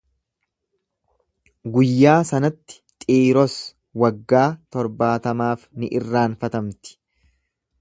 Guyyaa sanatti Xiiros waggaa torbaatamaaf ni irraanfatamti.